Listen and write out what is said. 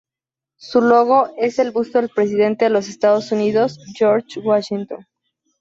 Su logo es el busto del presidente de los Estados Unidos George Washington.